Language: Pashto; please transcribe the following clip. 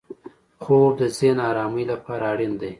خوب د ذهن ارامۍ لپاره اړین دی